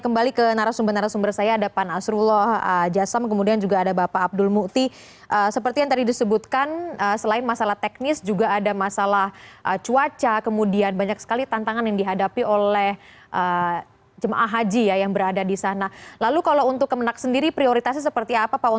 minum sebelum haus dari